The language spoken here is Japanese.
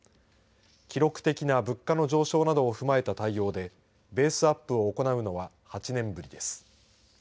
記録的な物価の上昇などを踏まえた対応でベースアップを行うのは８年ぶりです。